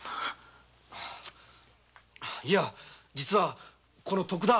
いや実はこの徳田。